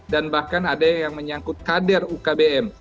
dan bahkan ada yang menyangkut kader ukbm